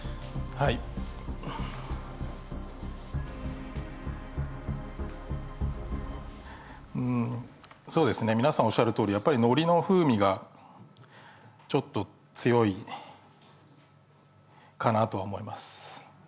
はい皆さんおっしゃるとおりやっぱりのりの風味がちょっと強いかなとは思います